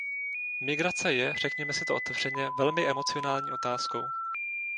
Migrace je, řekněme si to otevřeně, velmi emocionální otázkou.